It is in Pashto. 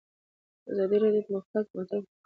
ازادي راډیو د د مخابراتو پرمختګ د تحول لړۍ تعقیب کړې.